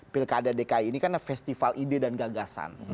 pilkada dki ini kan festival ide dan gagasan